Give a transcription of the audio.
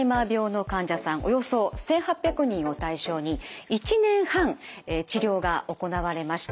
およそ１，８００人を対象に１年半治療が行われました。